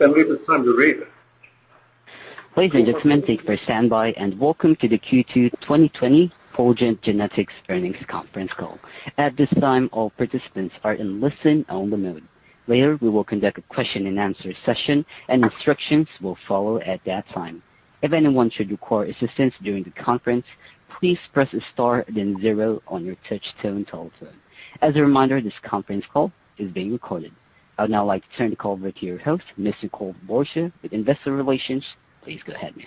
Maybe it's time to raise it. Ladies and gentlemen, thank you for standing by, and welcome to the Q2 2020 Fulgent Genetics Earnings Conference Call. At this time, all participants are in listen-only mode. Later, we will conduct a question and answer session, and instructions will follow at that time. If anyone should require assistance during the conference, please press star then zero on your touch-tone telephone. As a reminder, this conference call is being recorded. I would now like to turn the call over to your host, Ms. Nicole Borsje with investor relations. Please go ahead, ma'am.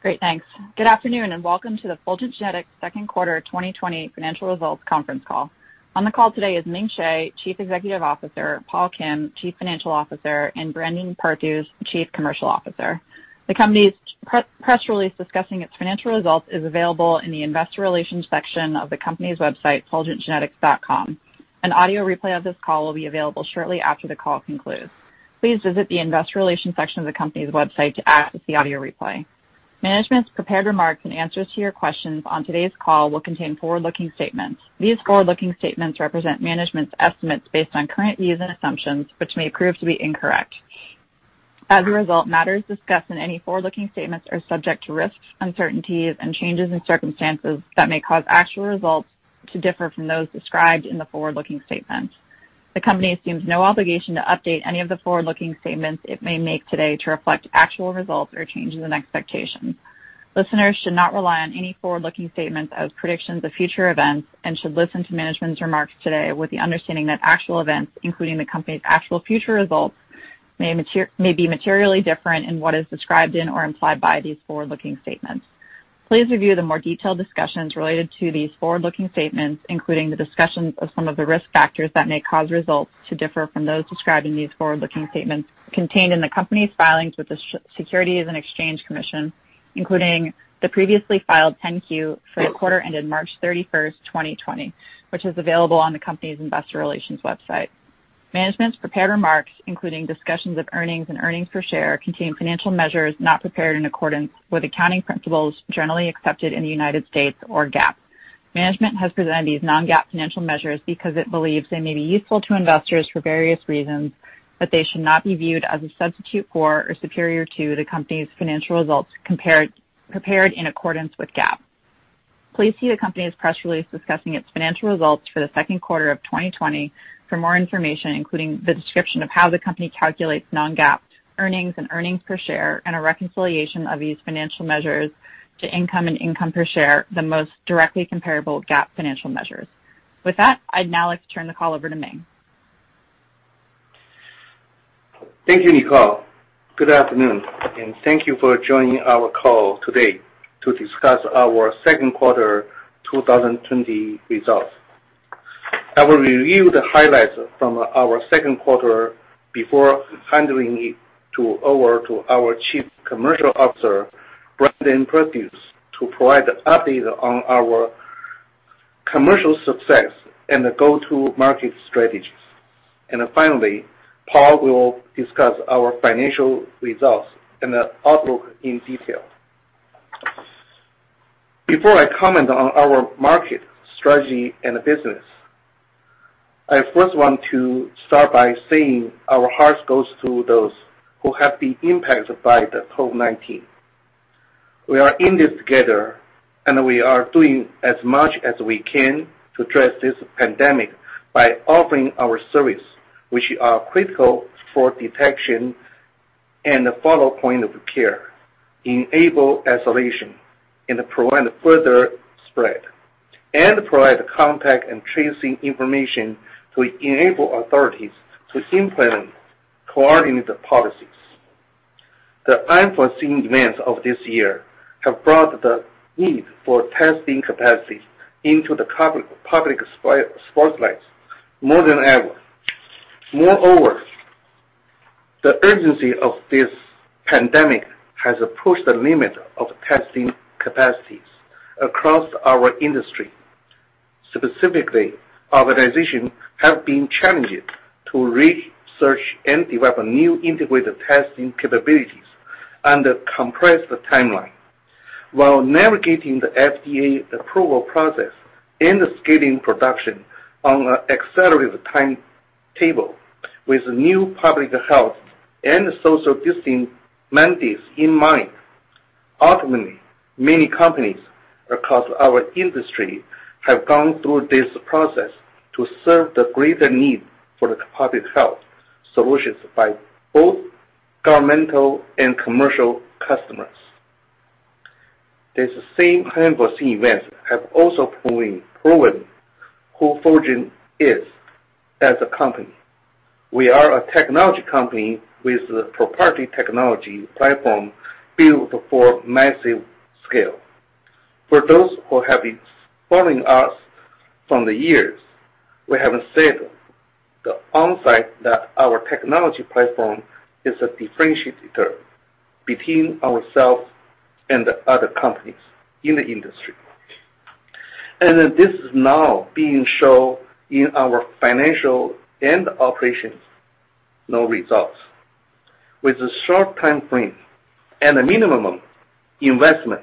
Great. Thanks. Good afternoon, welcome to the Fulgent Genetics second quarter 2020 financial results conference call. On the call today is Ming Hsieh, Chief Executive Officer, Paul Kim, Chief Financial Officer, and Brandon Perthuis, Chief Commercial Officer. The company's press release discussing its financial results is available in the investor relations section of the company's website, fulgentgenetics.com. An audio replay of this call will be available shortly after the call concludes. Please visit the investor relations section of the company's website to access the audio replay. Management's prepared remarks and answers to your questions on today's call will contain forward-looking statements. These forward-looking statements represent management's estimates based on current views and assumptions, which may prove to be incorrect. As a result, matters discussed in any forward-looking statements are subject to risks, uncertainties, and changes in circumstances that may cause actual results to differ from those described in the forward-looking statements. The company assumes no obligation to update any of the forward-looking statements it may make today to reflect actual results or changes in expectations. Listeners should not rely on any forward-looking statements as predictions of future events and should listen to management's remarks today with the understanding that actual events, including the company's actual future results, may be materially different in what is described in or implied by these forward-looking statements. Please review the more detailed discussions related to these forward-looking statements, including the discussions of some of the risk factors that may cause results to differ from those described in these forward-looking statements contained in the company's filings with the Securities and Exchange Commission, including the previously filed 10-Q for the quarter ended March 31st, 2020, which is available on the company's investor relations website. Management's prepared remarks, including discussions of earnings and earnings per share, contain financial measures not prepared in accordance with accounting principles generally accepted in the United States or GAAP. Management has presented these non-GAAP financial measures because it believes they may be useful to investors for various reasons, but they should not be viewed as a substitute for or superior to the company's financial results prepared in accordance with GAAP. Please see the company's press release discussing its financial results for the second quarter of 2020 for more information, including the description of how the company calculates non-GAAP earnings and earnings per share and a reconciliation of these financial measures to income and income per share, the most directly comparable GAAP financial measures. With that, I'd now like to turn the call over to Ming. Thank you, Nicole. Good afternoon, and thank you for joining our call today to discuss our second quarter 2020 results. I will review the highlights from our second quarter before handing it over to our Chief Commercial Officer, Brandon Perthuis, to provide an update on our commercial success and go-to-market strategies. Finally, Paul will discuss our financial results and outlook in detail. Before I comment on our market strategy and business, I first want to start by saying our hearts goes to those who have been impacted by the COVID-19. We are in this together, and we are doing as much as we can to address this pandemic by offering our service, which are critical for detection and follow point of care, enable isolation and prevent further spread, and provide contact and tracing information to enable authorities to implement coordinated policies. The unforeseen events of this year have brought the need for testing capacities into the public spotlight more than ever. Moreover, the urgency of this pandemic has pushed the limit of testing capacities across our industry. Specifically, organizations have been challenged to research and develop new integrated testing capabilities under compressed timeline while navigating the FDA approval process and scaling production on an accelerated timetable with new public health and social distancing mandates in mind. Ultimately, many companies across our industry have gone through this process to serve the greater need for public health solutions by both governmental and commercial customers. These same unforeseen events have also proven who Fulgent is as a company. We are a technology company with a proprietary technology platform built for massive scale. For those who have been following us from the years, we have said the onsite that our technology platform is a differentiator between ourselves and the other companies in the industry. This is now being shown in our financial and operational results. With a short timeframe and a minimum investment,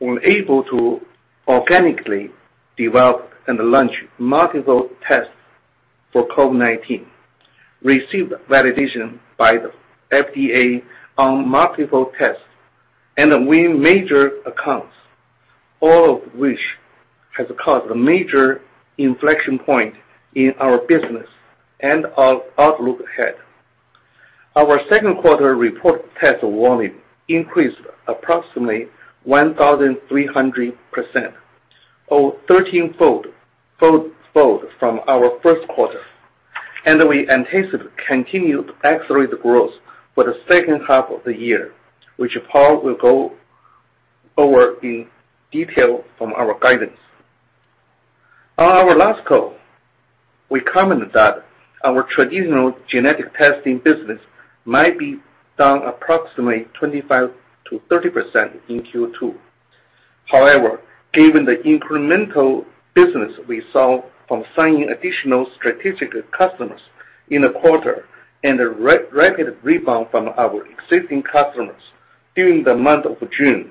we're able to organically develop and launch multiple tests for COVID-19, receive validation by the FDA on multiple tests, and win major accounts, all of which has caused a major inflection point in our business and our outlook ahead. Our second quarter report test volume increased approximately 1,300%, or thirteenfold from our first quarter, and we anticipate continued accelerated growth for the second half of the year, which Paul will go over in detail from our guidance. On our last call, we commented that our traditional genetic testing business might be down approximately 25%-30% in Q2. Given the incremental business we saw from signing additional strategic customers in the quarter and the rapid rebound from our existing customers during the month of June,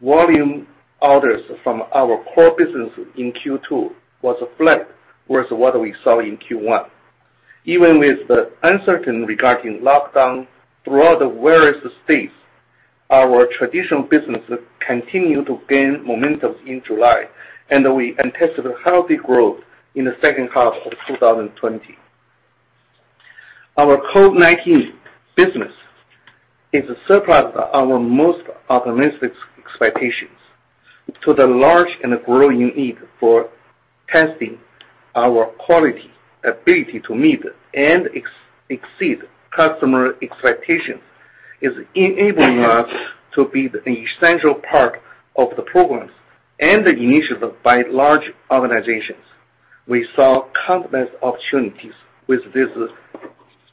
volume orders from our core business in Q2 was flat versus what we saw in Q1. Even with the uncertainty regarding lockdown throughout the various states, our traditional business continued to gain momentum in July, and we anticipate healthy growth in the second half of 2020. Our COVID-19 business has surpassed our most optimistic expectations to the large and growing need for testing our quality, ability to meet and exceed customer expectations is enabling us to be an essential part of the programs and the initiative by large organizations. We saw countless opportunities with these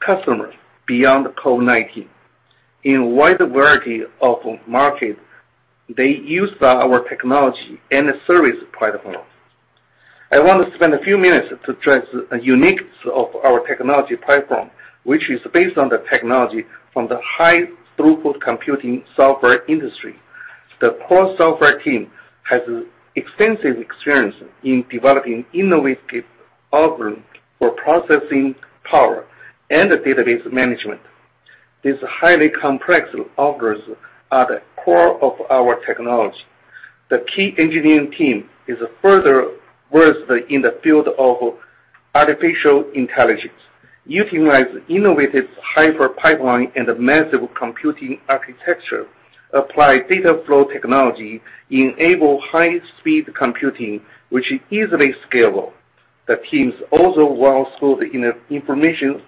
customers beyond COVID-19. In a wide variety of markets, they use our technology and service platform. I want to spend a few minutes to address uniqueness of our technology platform, which is based on the technology from the high throughput computing software industry. The core software team has extensive experience in developing innovative algorithms for processing power and database management. These highly complex algorithms are the core of our technology. The key engineering team is further versed in the field of artificial intelligence, utilizing innovative hyper-pipeline and massive computing architecture, apply data flow technology, enable high speed computing, which is easily scalable. The team is also well-schooled in information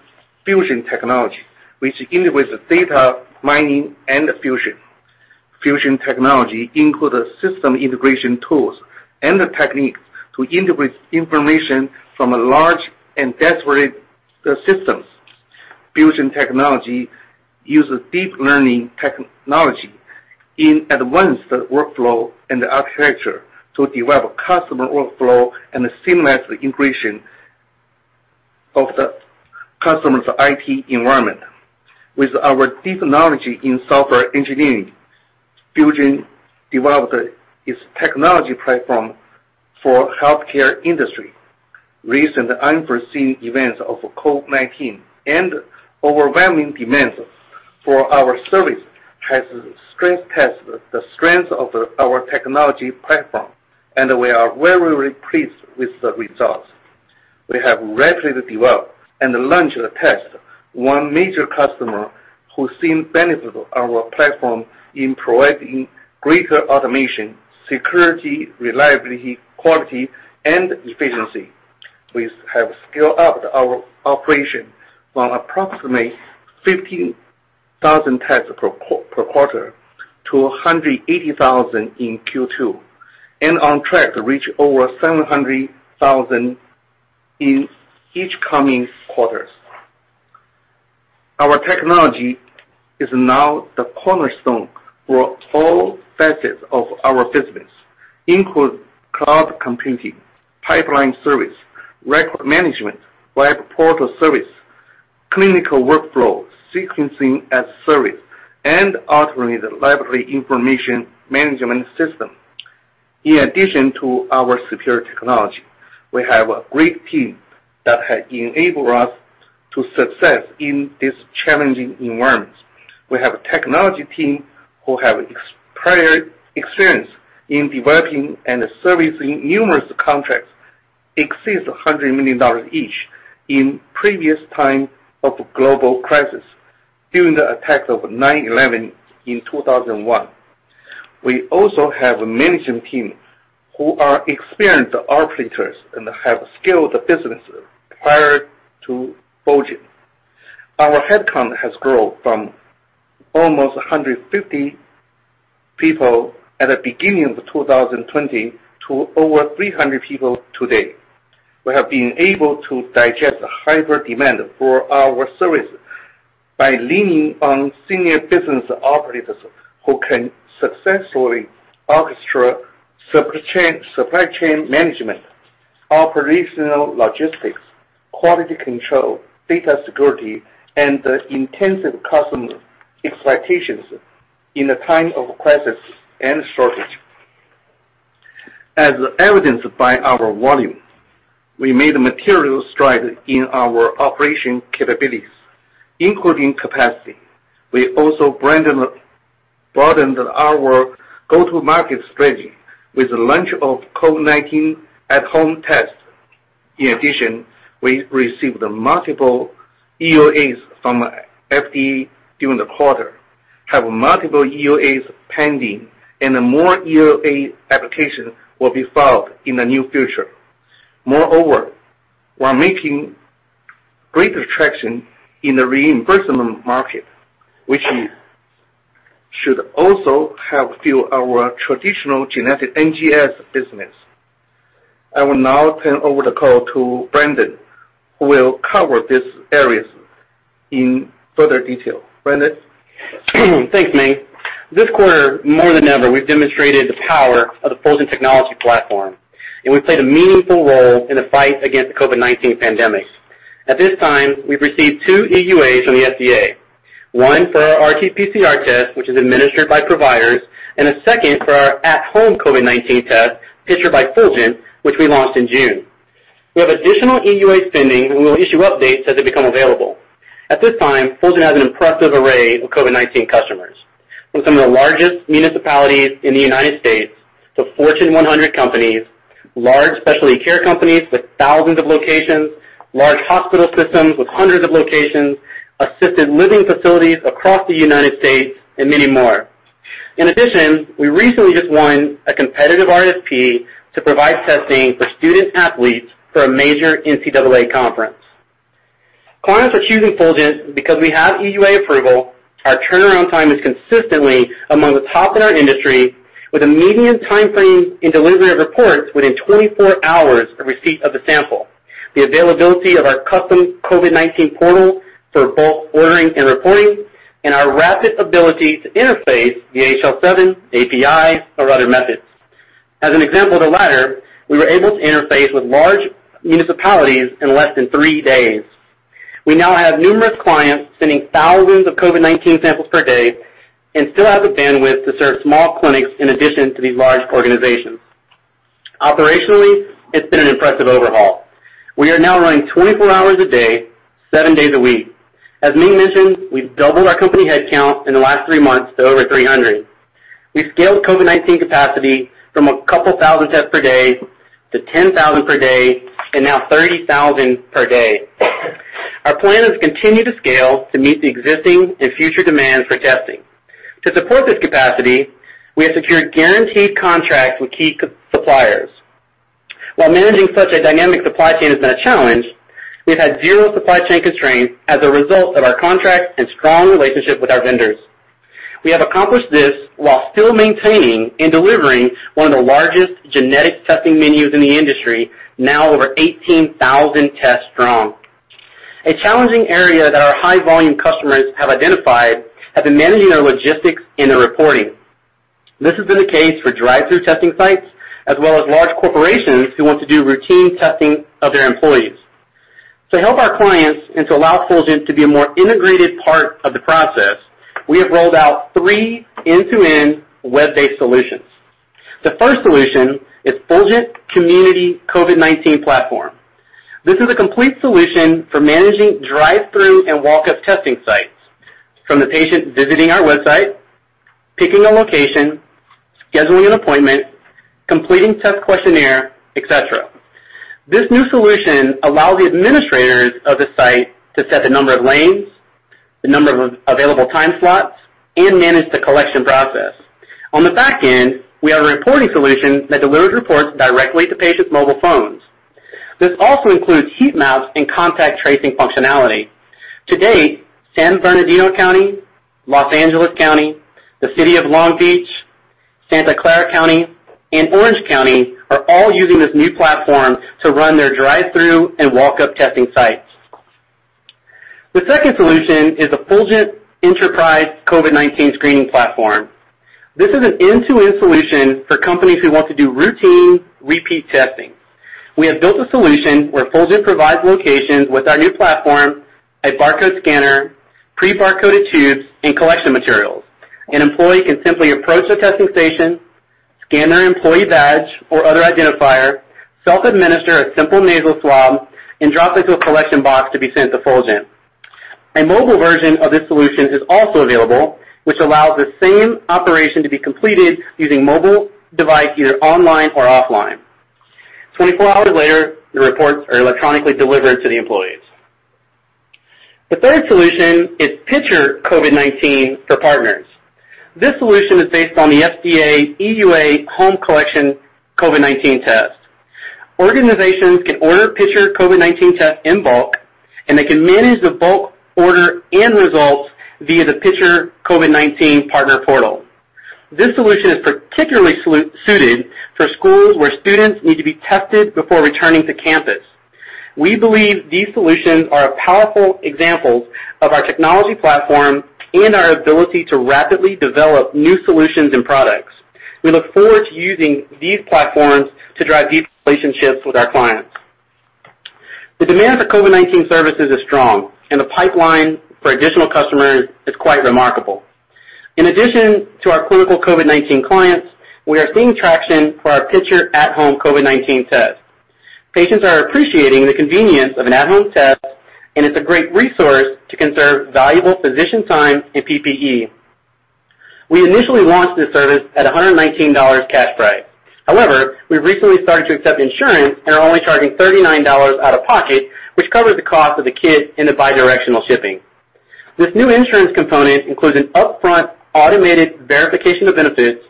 fusion technology, which integrates data mining and fusion. Fusion technology includes system integration tools and the techniques to integrate information from large and disparate systems. Fusion technology uses deep learning technology in advanced workflow and architecture to develop customer workflow and seamless integration of the customer's IT environment. With our deep knowledge in software engineering, Fulgent developed its technology platform for healthcare industry. Recent unforeseen events of COVID-19 and overwhelming demand for our service has stress tested the strength of our technology platform, and we are very pleased with the results. We have rapidly developed and launched a test. One major customer who has seen benefit of our platform in providing greater automation, security, reliability, quality and efficiency. We have scaled up our operation from approximately 15,000 tests per quarter to 180,000 in Q2, and on track to reach over 700,000 in each coming quarters. Our technology is now the cornerstone for all facets of our business, including cloud computing, pipeline service, record management, web portal service, clinical workflow, sequencing as service, and automated laboratory information management system. In addition to our superior technology, we have a great team that has enabled us to success in this challenging environment. We have a technology team who have prior experience in developing and servicing numerous contracts, exceeds $100 million each in previous time of global crisis, during the attack of 9/11 in 2001. We also have a management team who are experienced operators and have scaled businesses prior to Fulgent. Our headcount has grown from almost 150 people at the beginning of 2020 to over 300 people today. We have been able to digest the high demand for our services by leaning on senior business operators who can successfully orchestrate supply chain management, operational logistics, quality control, data security, and the intensive customer expectations in the time of crisis and shortage. As evidenced by our volume, we made a material stride in our operation capabilities, including capacity. We also broadened our go-to-market strategy with the launch of COVID-19 at-home test. In addition, we received multiple EUAs from FDA during the quarter, have multiple EUAs pending, and more EUA applications will be filed in the near future. Moreover, we're making great traction in the reimbursement market, which should also help fuel our traditional genetic NGS business. I will now turn over the call to Brandon, who will cover these areas in further detail. Brandon? Thanks, Ming. This quarter, more than ever, we've demonstrated the power of the Fulgent technology platform, and we've played a meaningful role in the fight against the COVID-19 pandemic. At this time, we've received two EUAs from the FDA, one for our RT-PCR test, which is administered by providers, and a second for our at-home COVID-19 test, Picture by Fulgent, which we launched in June. We have additional EUA pending, and we will issue updates as they become available. At this time, Fulgent has an impressive array of COVID-19 customers from some of the largest municipalities in the United States to Fortune 100 companies, large specialty care companies with thousands of locations, large hospital systems with hundreds of locations, assisted living facilities across the United States, and many more. In addition, we recently just won a competitive RFP to provide testing for student-athletes for a major NCAA conference. Clients are choosing Fulgent because we have EUA approval, our turnaround time is consistently among the top in our industry, with a median timeframe in delivery of reports within 24 hours of receipt of the sample, the availability of our custom COVID-19 portal for both ordering and reporting, and our rapid ability to interface via HL7, API, or other methods. As an example of the latter, we were able to interface with large municipalities in less than three days. We now have numerous clients sending thousands of COVID-19 samples per day and still have the bandwidth to serve small clinics in addition to these large organizations. Operationally, it's been an impressive overhaul. We are now running 24 hours a day, seven days a week. As Ming mentioned, we've doubled our company headcount in the last three months to over 300. We've scaled COVID-19 capacity from a couple thousand tests per day to 10,000 per day, and now 30,000 per day. Our plan is to continue to scale to meet the existing and future demand for testing. To support this capacity, we have secured guaranteed contracts with key suppliers. While managing such a dynamic supply chain has been a challenge, we've had zero supply chain constraints as a result of our contracts and strong relationship with our vendors. We have accomplished this while still maintaining and delivering one of the largest genetic testing menus in the industry, now over 18,000 tests strong. A challenging area that our high-volume customers have identified has been managing their logistics and their reporting. This has been the case for drive-through testing sites, as well as large corporations who want to do routine testing of their employees. To help our clients and to allow Fulgent to be a more integrated part of the process, we have rolled out three end-to-end web-based solutions. The first solution is Fulgent Community COVID-19 Platform. This is a complete solution for managing drive-through and walk-up testing sites, from the patient visiting our website, picking a location, scheduling an appointment, completing test questionnaire, et cetera. This new solution allows the administrators of the site to set the number of lanes, the number of available time slots, and manage the collection process. On the back end, we have a reporting solution that delivers reports directly to patients' mobile phones. This also includes heat maps and contact tracing functionality. To date, San Bernardino County, Los Angeles County, the City of Long Beach, Santa Clara County, and Orange County are all using this new platform to run their drive-through and walk-up testing sites. The second solution is a Fulgent Enterprise COVID-19 Screening Platform. This is an end-to-end solution for companies who want to do routine repeat testing. We have built a solution where Fulgent provides locations with our new platform, a barcode scanner, pre-barcoded tubes, and collection materials. An employee can simply approach a testing station, scan their employee badge or other identifier, self-administer a simple nasal swab, and drop it to a collection box to be sent to Fulgent. A mobile version of this solution is also available, which allows the same operation to be completed using mobile device, either online or offline. 24 hours later, the reports are electronically delivered to the employees. The third solution is Picture COVID-19 for Partners. This solution is based on the FDA EUA home collection COVID-19 test. Organizations can order Picture COVID-19 tests in bulk, and they can manage the bulk order and results via the Picture COVID-19 partner portal. This solution is particularly suited for schools where students need to be tested before returning to campus. We believe these solutions are powerful examples of our technology platform and our ability to rapidly develop new solutions and products. We look forward to using these platforms to drive deep relationships with our clients. The demand for COVID-19 services is strong, and the pipeline for additional customers is quite remarkable. In addition to our clinical COVID-19 clients, we are seeing traction for our Picture at-home COVID-19 test. Patients are appreciating the convenience of an at-home test, and it's a great resource to conserve valuable physician time and PPE. We initially launched this service at $119 cash price. However, we've recently started to accept insurance and are only charging $39 out of pocket, which covers the cost of the kit and the bi-directional shipping. This new insurance component includes an upfront automated verification of benefits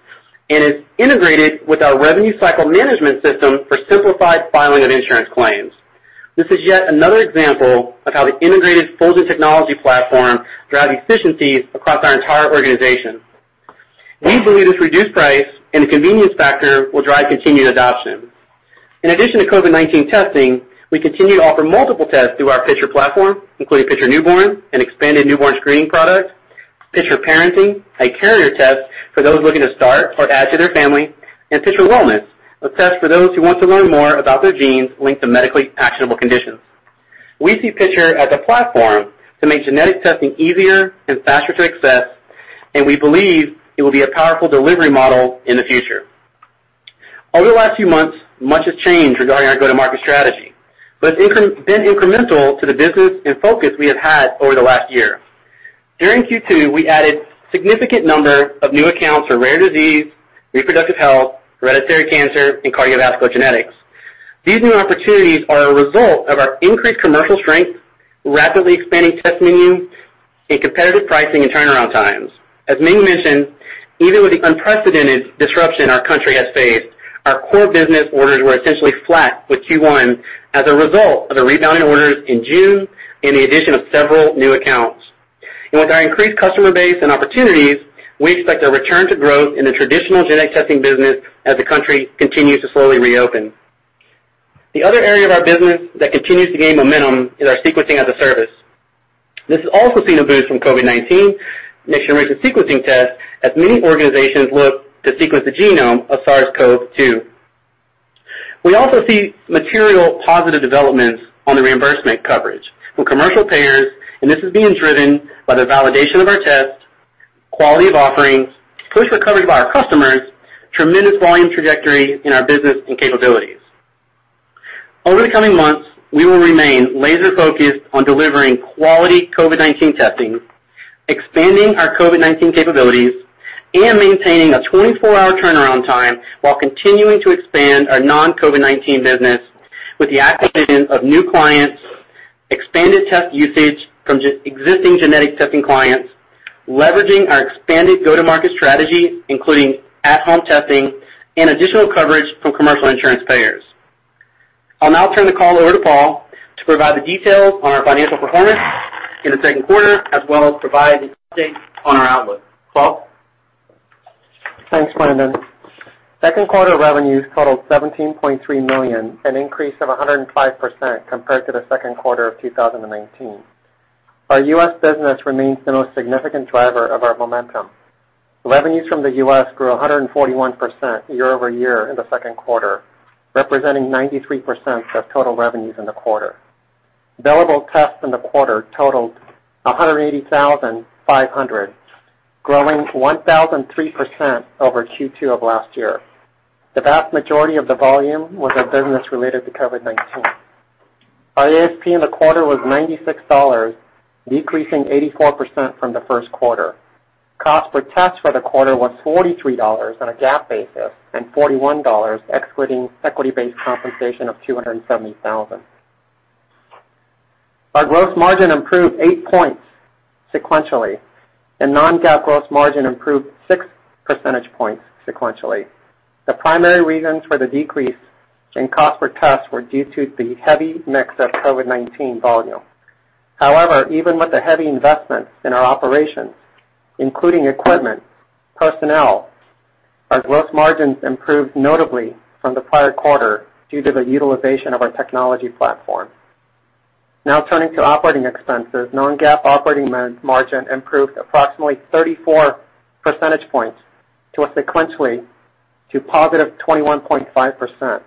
and is integrated with our revenue cycle management system for simplified filing of insurance claims. This is yet another example of how the integrated Fulgent technology platform drives efficiencies across our entire organization. We believe this reduced price and the convenience factor will drive continued adoption. In addition to COVID-19 testing, we continue to offer multiple tests through our Picture platform, including Picture Newborn, an expanded newborn screening product, Picture Parenting, a carrier test for those looking to start or add to their family, and Picture Wellness, a test for those who want to learn more about their genes linked to medically actionable conditions. We see Picture as a platform to make genetic testing easier and faster to access, and we believe it will be a powerful delivery model in the future. Over the last few months, much has changed regarding our go-to-market strategy, but it's been incremental to the business and focus we have had over the last year. During Q2, we added significant number of new accounts for rare disease, reproductive health, hereditary cancer, and cardiovascular genetics. These new opportunities are a result of our increased commercial strength, rapidly expanding test menu, and competitive pricing and turnaround times. As Ming mentioned, even with the unprecedented disruption our country has faced, our core business orders were essentially flat with Q1 as a result of the rebounding orders in June and the addition of several new accounts. With our increased customer base and opportunities, we expect a return to growth in the traditional genetic testing business as the country continues to slowly reopen. The other area of our business that continues to gain momentum is our sequencing as a service. This has also seen a boost from COVID-19, next-generation sequencing tests, as many organizations look to sequence the genome of SARS-CoV-2. We also see material positive developments on the reimbursement coverage from commercial payers, and this is being driven by the validation of our tests, quality of offerings, push for coverage by our customers, tremendous volume trajectory in our business, and capabilities. Over the coming months, we will remain laser-focused on delivering quality COVID-19 testing, expanding our COVID-19 capabilities, and maintaining a 24-hour turnaround time while continuing to expand our non-COVID-19 business with the acquisition of new clients, expanded test usage from existing genetic testing clients, leveraging our expanded go-to-market strategy, including at-home testing and additional coverage from commercial insurance payers. I'll now turn the call over to Paul to provide the details on our financial performance in the second quarter, as well as provide an update on our outlook. Paul? Thanks, Brandon. Second quarter revenues totaled $17.3 million, an increase of 105% compared to the second quarter of 2019. Our U.S. business remains the most significant driver of our momentum. Revenues from the U.S. grew 141% year-over-year in the second quarter, representing 93% of total revenues in the quarter. Billable tests in the quarter totaled 180,500, growing 1003% over Q2 of last year. The vast majority of the volume was our business related to COVID-19. Our ASP in the quarter was $96, decreasing 84% from the first quarter. Cost per test for the quarter was $43 on a GAAP basis and $41 excluding equity-based compensation of $270,000. Our gross margin improved eight points sequentially, and non-GAAP gross margin improved six percentage points sequentially. The primary reasons for the decrease in cost per test were due to the heavy mix of COVID-19 volume. However, even with the heavy investments in our operations, including equipment, personnel, our gross margins improved notably from the prior quarter due to the utilization of our technology platform. Now turning to operating expenses, non-GAAP operating margin improved approximately 34 percentage points sequentially to positive 21.5%.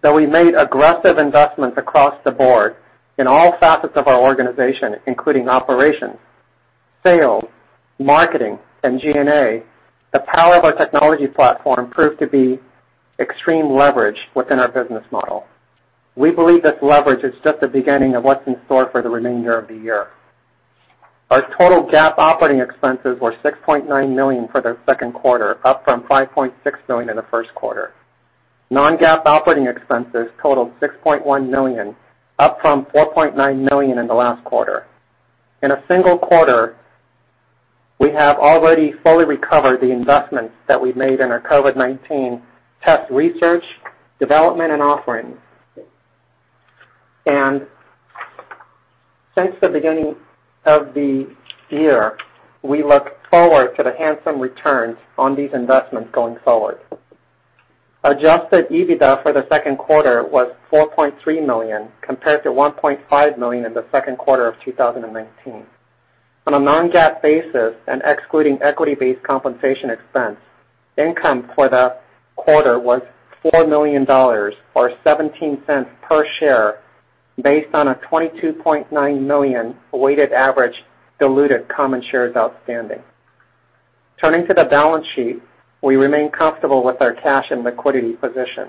Though we made aggressive investments across the board in all facets of our organization, including operations, sales, marketing, and G&A, the power of our technology platform proved to be extreme leverage within our business model. We believe this leverage is just the beginning of what's in store for the remainder of the year. Our total GAAP operating expenses were $6.9 million for the second quarter, up from $5.6 million in the first quarter. Non-GAAP operating expenses totaled $6.1 million, up from $4.9 million in the last quarter. In a single quarter, we have already fully recovered the investments that we've made in our COVID-19 test research, development, and offerings. Since the beginning of the year, we look forward to the handsome returns on these investments going forward. Adjusted EBITDA for the second quarter was $4.3 million, compared to $1.5 million in the second quarter of 2019. On a non-GAAP basis and excluding equity-based compensation expense, income for the quarter was $4 million, or $0.17 per share, based on a 22.9 million weighted average diluted common shares outstanding. Turning to the balance sheet, we remain comfortable with our cash and liquidity position.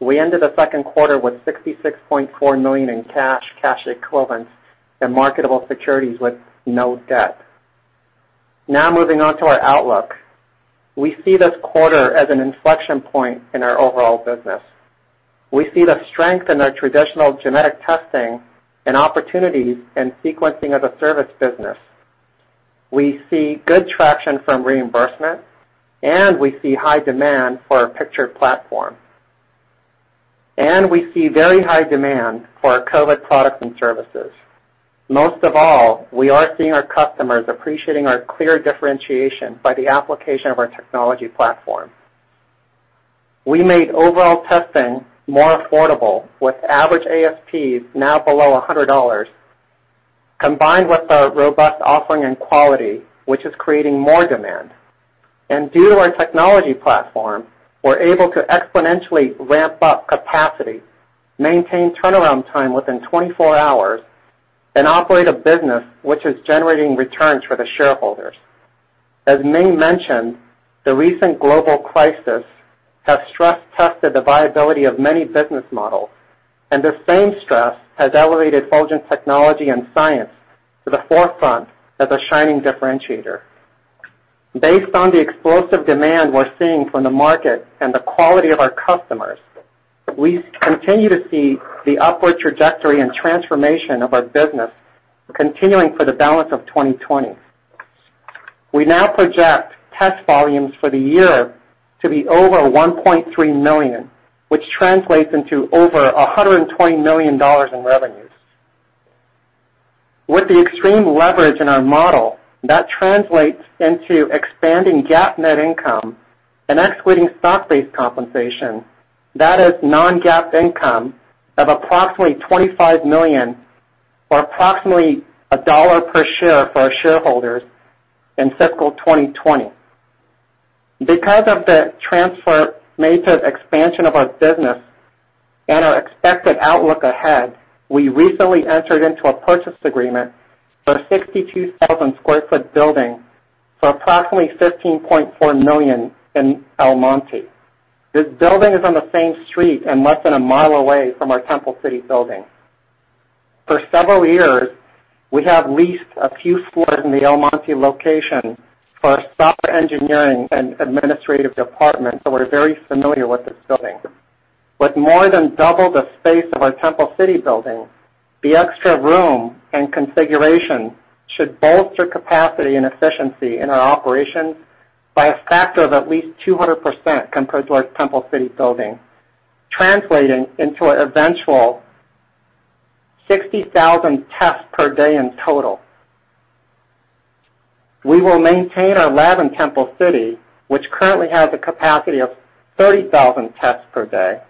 We ended the second quarter with $66.4 million in cash equivalents, and marketable securities with no debt. Now moving on to our outlook. We see this quarter as an inflection point in our overall business. We see the strength in our traditional genetic testing and opportunities in sequencing as a service business. We see good traction from reimbursement. We see high demand for our Picture platform. We see very high demand for our COVID products and services. Most of all, we are seeing our customers appreciating our clear differentiation by the application of our technology platform. We made overall testing more affordable, with average ASPs now below $100, combined with our robust offering and quality, which is creating more demand. Due to our technology platform, we're able to exponentially ramp up capacity, maintain turnaround time within 24 hours, and operate a business which is generating returns for the shareholders. As Ming mentioned, the recent global crisis has stress-tested the viability of many business models. This same stress has elevated Fulgent Technology & Science to the forefront as a shining differentiator. Based on the explosive demand we're seeing from the market and the quality of our customers, we continue to see the upward trajectory and transformation of our business continuing for the balance of 2020. We now project test volumes for the year to be over 1.3 million, which translates into over $120 million in revenues. With the extreme leverage in our model, that translates into expanding GAAP net income and excluding stock-based compensation, that is non-GAAP income of approximately $25 million or approximately $1 per share for our shareholders in fiscal 2020. Because of the transfer made to expansion of our business and our expected outlook ahead, we recently entered into a purchase agreement for a 62,000 square foot building for approximately $15.4 million in El Monte. This building is on the same street and less than a mile away from our Temple City building. For several years, we have leased a few floors in the El Monte location for our software engineering and administrative department, so we're very familiar with this building. With more than double the space of our Temple City building, the extra room and configuration should bolster capacity and efficiency in our operations by a factor of at least 200% compared to our Temple City building, translating into an eventual 60,000 tests per day in total. We will maintain our lab in Temple City, which currently has a capacity of 30,000 tests per day.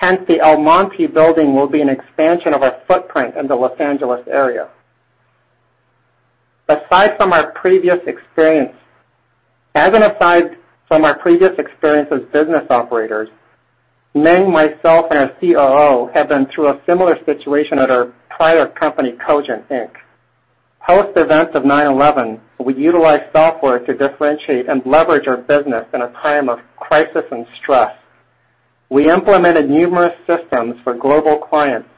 The El Monte building will be an expansion of our footprint in the Los Angeles area. As an aside from our previous experience as business operators, Ming, myself, and our COO have been through a similar situation at our prior company, Cogent, Inc. Post the events of 9/11, we utilized software to differentiate and leverage our business in a time of crisis and stress. We implemented numerous systems for global clients,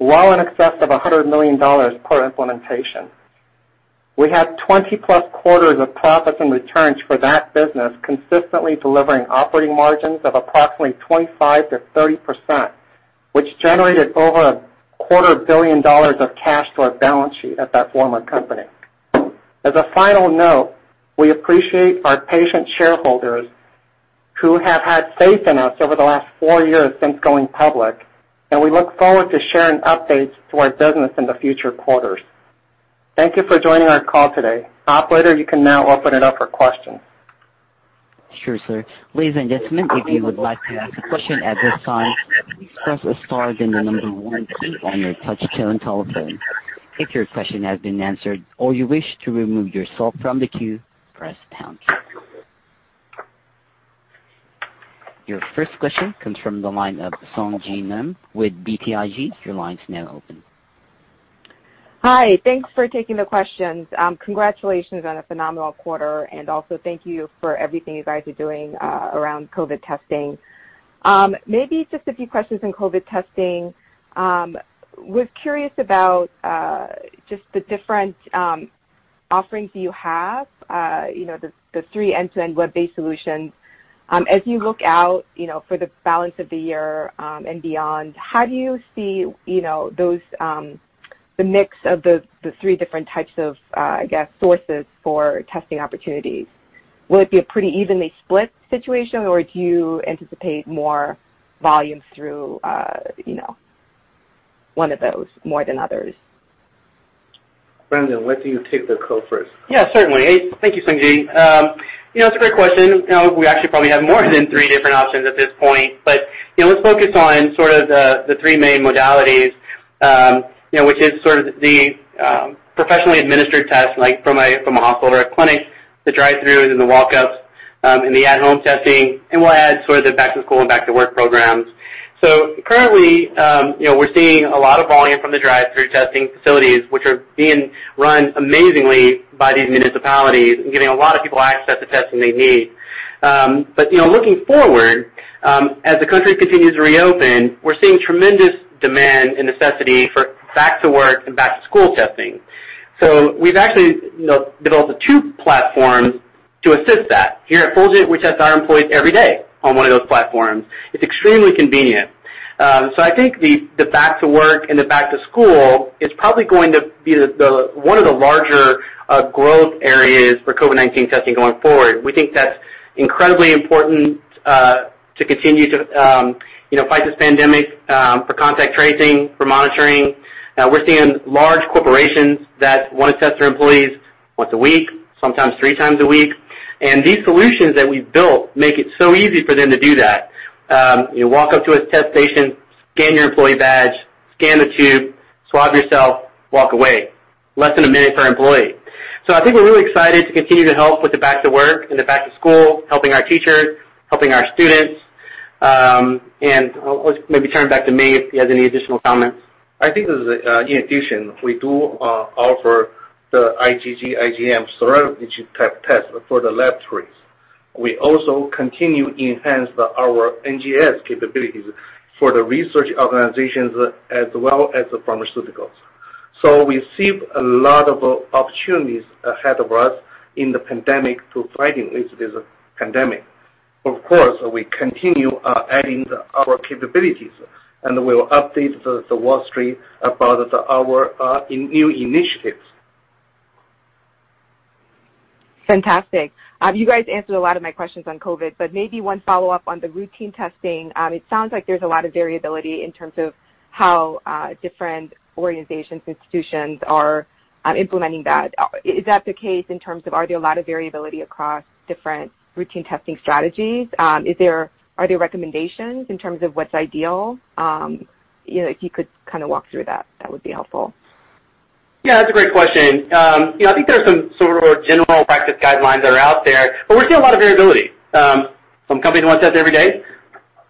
well in excess of $100 million per implementation. We had 20+ quarters of profits and returns for that business, consistently delivering operating margins of approximately 25%-30%, which generated over a quarter billion dollars of cash to our balance sheet at that former company. As a final note, we appreciate our patient shareholders who have had faith in us over the last four years since going public, and we look forward to sharing updates to our business in the future quarters. Thank you for joining our call today. Operator, you can now open it up for questions. Sure, sir. Ladies and gentlemen, if you would like to ask a question at this time, press a star, then the number one key on your touch-tone telephone. If your question has been answered or you wish to remove yourself from the queue, press pound. Your first question comes from the line of Sung Ji with BTIG. Your line is now open. Hi. Thanks for taking the questions. Congratulations on a phenomenal quarter. Also, thank you for everything you guys are doing around COVID testing. Maybe just a few questions on COVID testing. I was curious about just the different offerings you have, the three end-to-end web-based solutions. As you look out for the balance of the year and beyond, how do you see the mix of the three different types of, I guess, sources for testing opportunities? Will it be a pretty evenly split situation, or do you anticipate more volume through one of those more than others? Brandon, why don't you take the call first? Yeah, certainly. Thank you, Sung Ji. It's a great question. We actually probably have more than three different options at this point, but let's focus on sort of the three main modalities, which is sort of the professionally administered test, like from a hospital or a clinic, the drive-throughs and the walk-ups, and the at-home testing, and we'll add sort of the back-to-school and back-to-work programs. Currently, we're seeing a lot of volume from the drive-through testing facilities, which are being run amazingly by these municipalities and getting a lot of people access to testing they need. Looking forward, as the country continues to reopen, we're seeing tremendous demand and necessity for back-to-work and back-to-school testing. We've actually built the two platforms to assist that. Here at Fulgent, we test our employees every day on one of those platforms. It's extremely convenient. I think the back to work and the back to school is probably going to be one of the larger growth areas for COVID-19 testing going forward. We think that's incredibly important to continue to fight this pandemic, for contact tracing, for monitoring. We're seeing large corporations that want to test their employees once a week, sometimes three times a week. These solutions that we've built make it so easy for them to do that. You walk up to a test station, scan your employee badge, scan the tube, swab yourself, walk away. Less than a minute per employee. I think we're really excited to continue to help with the back to work and the back to school, helping our teachers, helping our students. I'll maybe turn it back to Ming if he has any additional comments. I think as an addition, we do offer the IgG, IgM surveillance type test for the laboratories. We also continue to enhance our NGS capabilities for the research organizations as well as the pharmaceuticals. We see a lot of opportunities ahead of us in the pandemic to fighting this pandemic. Of course, we continue adding our capabilities, and we'll update the Wall Street about our new initiatives. Fantastic. You guys answered a lot of my questions on COVID-19. Maybe one follow-up on the routine testing. It sounds like there's a lot of variability in terms of how different organizations, institutions are implementing that. Is that the case in terms of, are there a lot of variability across different routine testing strategies? Are there recommendations in terms of what's ideal? If you could kind of walk through that would be helpful. Yeah, that's a great question. I think there are some sort of general practice guidelines that are out there. We're seeing a lot of variability. Some companies want to test every day,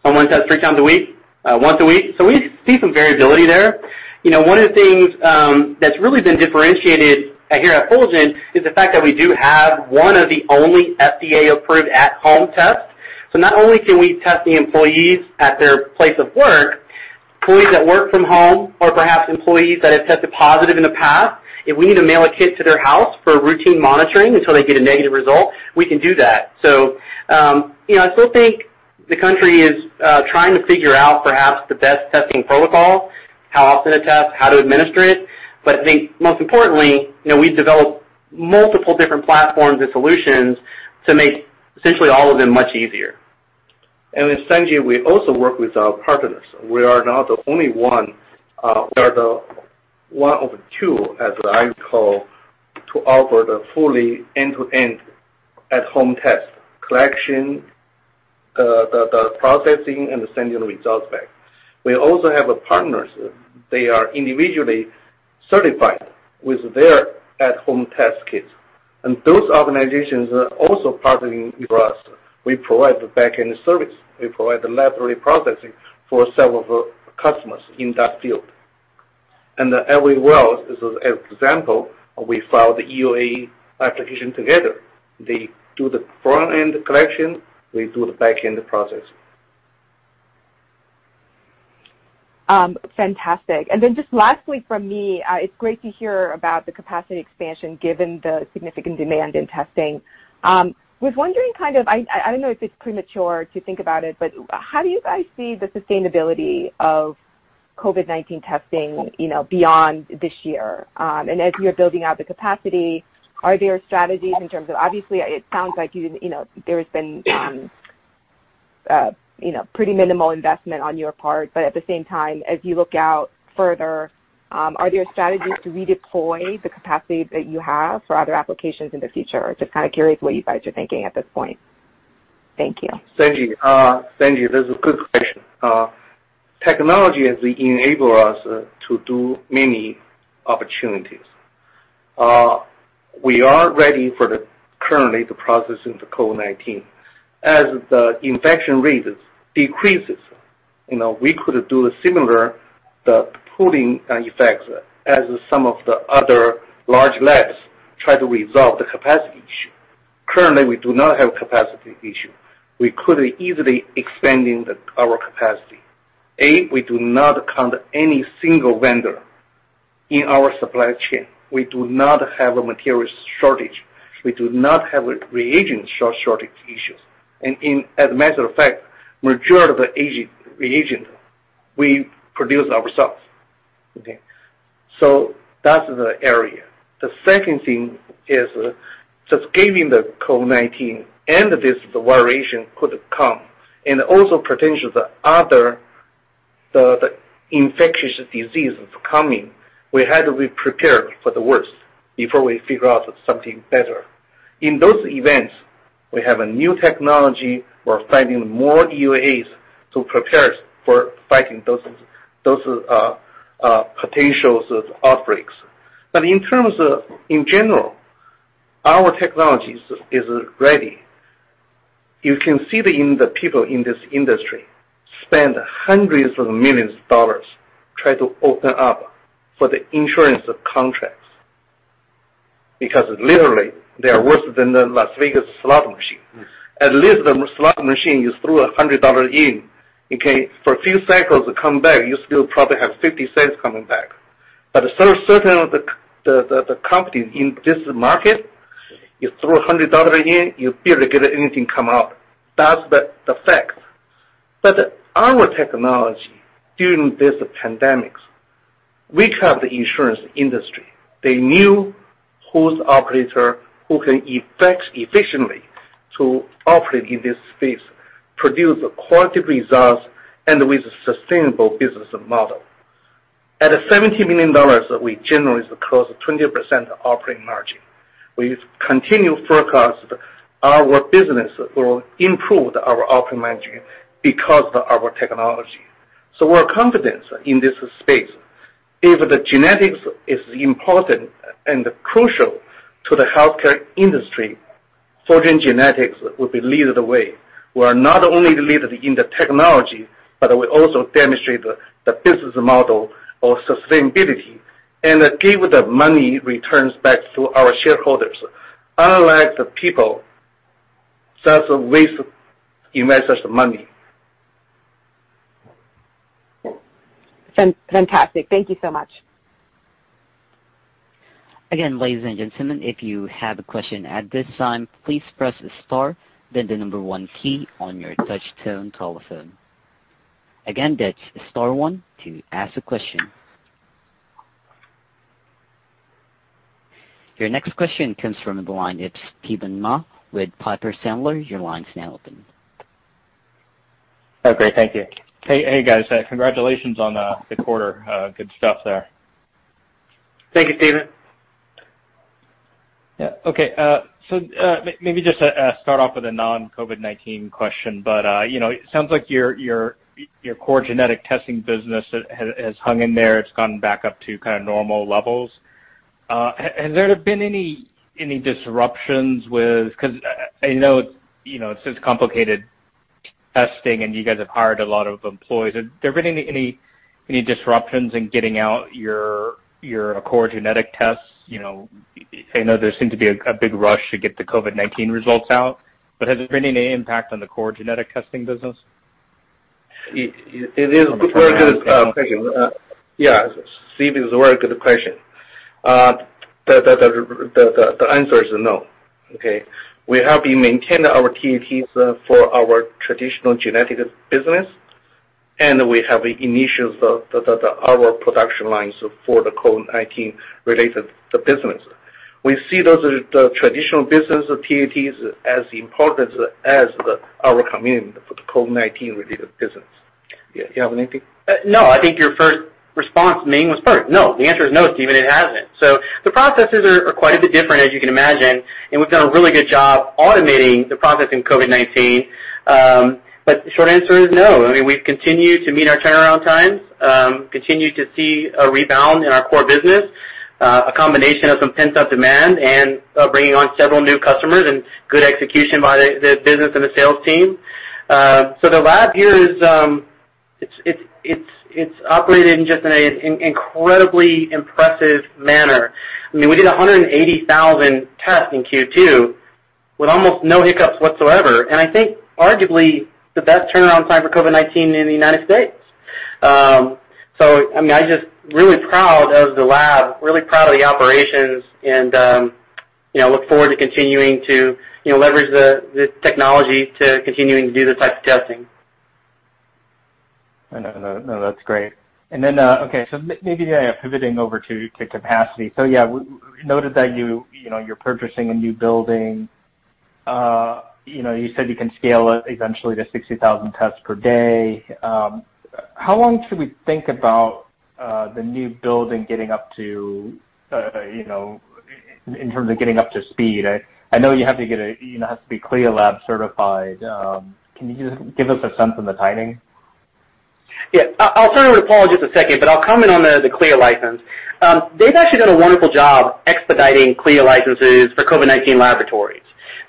some want to test three times a week, once a week. We see some variability there. One of the things that's really been differentiated here at Fulgent is the fact that we do have one of the only FDA-authorized at-home tests. Not only can we test the employees at their place of work, employees that work from home or perhaps employees that have tested positive in the past, if we need to mail a kit to their house for routine monitoring until they get a negative result, we can do that. I still think the country is trying to figure out perhaps the best testing protocol, how often to test, how to administer it. I think most importantly, we've developed multiple different platforms and solutions to make essentially all of them much easier. Sung Ji, we also work with our partners. We are not the only one. We are the one of two, as I call, to offer the fully end-to-end at-home test collection, the processing, and sending results back. We also have partners. They are individually certified with their at-home test kits, and those organizations are also partnering with us. We provide the back-end service. We provide the laboratory processing for several customers in that field. Everlywell, as an example, we file the EUA application together. They do the front-end collection, we do the back-end process. Fantastic. Just lastly from me, it's great to hear about the capacity expansion given the significant demand in testing. Was wondering kind of, I don't know if it's premature to think about it, but how do you guys see the sustainability of COVID-19 testing beyond this year? As you're building out the capacity, are there strategies in terms of, obviously, it sounds like there's been pretty minimal investment on your part, but at the same time, as you look out further, are there strategies to redeploy the capacity that you have for other applications in the future? Just kind of curious what you guys are thinking at this point. Thank you. Sung Ji, that's a good question. Technology has enabled us to do many opportunities. We are ready for the currently the processing for COVID-19. As the infection rates decreases, we could do a similar, the pooling effects as some of the other large labs try to resolve the capacity issue. Currently, we do not have capacity issue. We could easily expanding our capacity. We do not count any single vendor in our supply chain. We do not have a material shortage. We do not have a reagent shortage issues. As a matter of fact, majority of the reagent, we produce ourselves. Okay. That's the area. The second thing is just giving the COVID-19 and this variation could come, and also potentially the other infectious diseases coming, we had to be prepared for the worst before we figure out something better. In those events, we have a new technology. We're finding more EUAs to prepare for fighting those potential outbreaks. In general, our technology is ready. You can see the people in this industry spend $hundreds of millions try to open up for the insurance contracts, because literally, they are worse than the Las Vegas slot machine. At least the slot machine, you throw $100 in, okay, for a few cycles to come back, you still probably have $0.50 coming back. Certain of the company in this market, you throw $100 in, you barely get anything come out. That's the fact. Our technology, during this pandemic, we have the insurance industry. They knew whose operator who can effect efficiently to operate in this space, produce quality results, and with a sustainable business model. At $70 million, we generally close at 20% operating margin. We continue to forecast our business will improve our operating margin because of our technology. We're confident in this space. If the genetics is important and crucial to the healthcare industry, Fulgent Genetics will be lead the way. We are not only the leader in the technology, but we also demonstrate the business model of sustainability and give the money returns back to our shareholders, unlike the people just waste investors' money. Fantastic. Thank you so much. Again, ladies and gentlemen, if you have a question at this time, please press star, then the number one key on your touch tone telephone. Again, that's star one to ask a question. Your next question comes from the line, it's Steven Mah with Piper Sandler. Your line's now open. Oh, great. Thank you. Hey, guys. Congratulations on the quarter. Good stuff there. Thank you, Steven. Yeah. Okay. Maybe just to start off with a non-COVID-19 question, but it sounds like your core genetic testing business has hung in there. It's gone back up to kind of normal levels. Has there been any disruptions? Because I know it's complicated testing, and you guys have hired a lot of employees. Have there been any disruptions in getting out your core genetic tests? I know there seemed to be a big rush to get the COVID-19 results out, but has there been any impact on the core genetic testing business? It is a very good question. Yeah, Steven, it's a very good question. The answer is no, okay. We have been maintaining our TATs for our traditional genetic business, and we have initiated our production lines for the COVID-19 related business. We see those traditional business TATs as important as our commitment for the COVID-19 related business. Yeah. You have anything? No, I think your first response, Ming, was perfect. No, the answer is no, Steven. It hasn't. The processes are quite a bit different, as you can imagine, and we've done a really good job automating the process in COVID-19. The short answer is no. I mean, we've continued to meet our turnaround times, continued to see a rebound in our core business, a combination of some pent-up demand and bringing on several new customers and good execution by the business and the sales team. The lab here, it's operated in just an incredibly impressive manner. I mean, we did 180,000 tests in Q2 with almost no hiccups whatsoever, and I think arguably the best turnaround time for COVID-19 in the U.S. I mean, I'm just really proud of the lab, really proud of the operations, and look forward to continuing to leverage the technology to continuing to do this type of testing. No. That's great. Pivoting over to capacity. We noted that you're purchasing a new building. You said you can scale it eventually to 60,000 tests per day. How long should we think about the new building in terms of getting up to speed? I know you have to be CLIA lab certified. Can you just give us a sense on the timing? Yeah. I'll turn it over to Paul in just a second, I'll comment on the CLIA license. They've actually done a wonderful job expediting CLIA licenses for COVID-19 laboratories.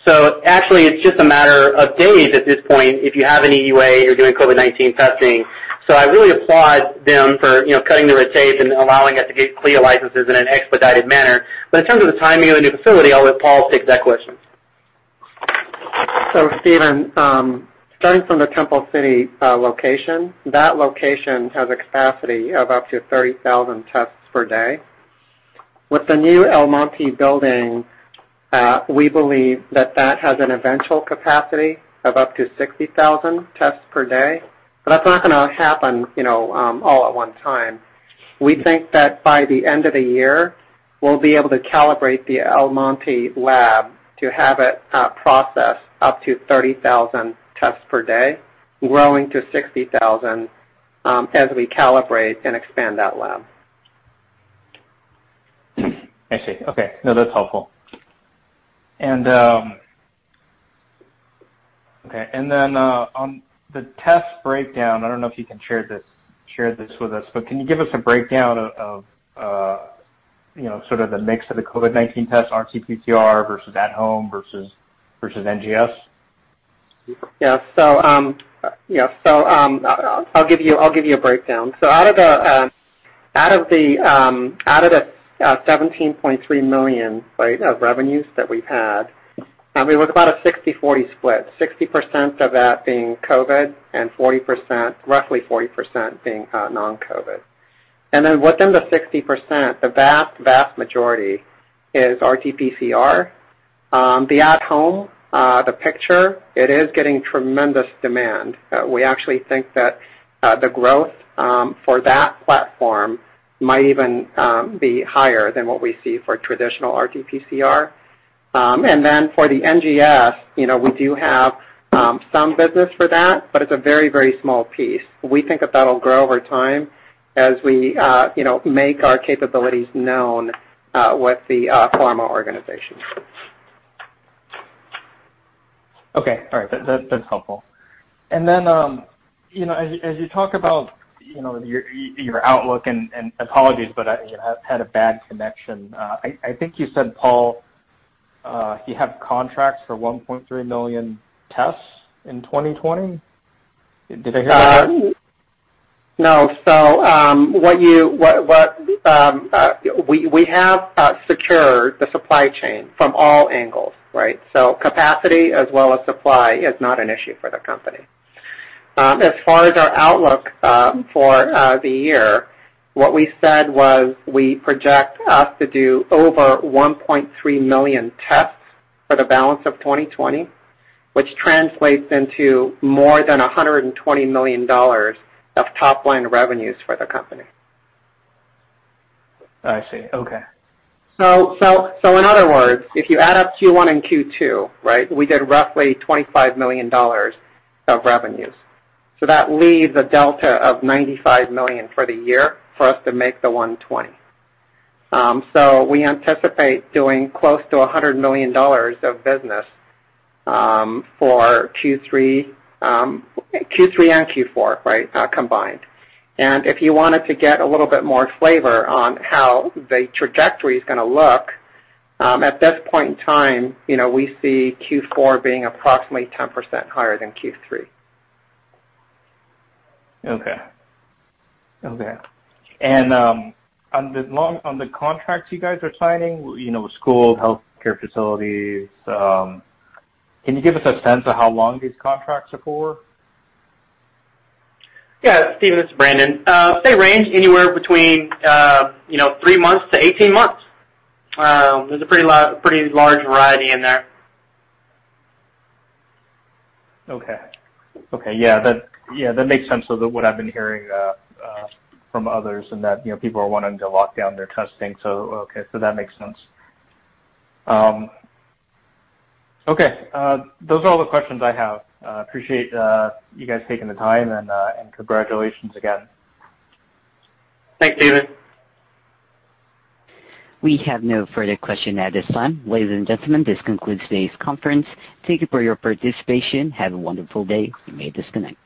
Actually, it's just a matter of days at this point, if you have an EUA, you're doing COVID-19 testing. I really applaud them for cutting the red tape and allowing us to get CLIA licenses in an expedited manner. In terms of the timing of the new facility, I'll let Paul take that question. Steven, starting from the Temple City location, that location has a capacity of up to 30,000 tests per day. With the new El Monte building, we believe that has an eventual capacity of up to 60,000 tests per day. That's not going to happen all at one time. We think that by the end of the year, we'll be able to calibrate the El Monte lab to have it process up to 30,000 tests per day, growing to 60,000 as we calibrate and expand that lab. I see. Okay. No, that's helpful. On the test breakdown, I don't know if you can share this with us, but can you give us a breakdown of the mix of the COVID-19 test RT-PCR versus at home versus NGS? Yeah. I'll give you a breakdown. Out of the $17.3 million of revenues that we've had, it was about a 60/40 split, 60% of that being COVID and roughly 40% being non-COVID. Within the 60%, the vast majority is RT-PCR. The at-home, the Picture, it is getting tremendous demand. We actually think that the growth for that platform might even be higher than what we see for traditional RT-PCR. For the NGS, we do have some business for that, but it's a very small piece. We think that will grow over time as we make our capabilities known with the pharma organizations. Okay. All right. That's helpful. As you talk about your outlook, and apologies, but I had a bad connection. I think you said, Paul, you have contracts for 1.3 million tests in 2020. Did I hear that right? No. We have secured the supply chain from all angles. Right? Capacity as well as supply is not an issue for the company. As far as our outlook for the year, what we said was we project us to do over 1.3 million tests for the balance of 2020, which translates into more than $120 million of top-line revenues for the company. I see. Okay. In other words, if you add up Q1 and Q2, we did roughly $25 million of revenues. That leaves a delta of $95 million for the year for us to make the $120. We anticipate doing close to $100 million of business for Q3 and Q4 combined. If you wanted to get a little bit more flavor on how the trajectory is going to look, at this point in time, we see Q4 being approximately 10% higher than Q3. Okay. On the contracts you guys are signing, schools, healthcare facilities, can you give us a sense of how long these contracts are for? Yeah, Steven, this is Brandon. They range anywhere between three months to 18 months. There's a pretty large variety in there. Okay. Yeah, that makes sense with what I've been hearing from others and that people are wanting to lock down their testing. Okay, so that makes sense. Okay. Those are all the questions I have. Appreciate you guys taking the time, and congratulations again. Thanks, Steven. We have no further questions at this time. Ladies and gentlemen, this concludes today's conference. Thank you for your participation. Have a wonderful day. You may disconnect.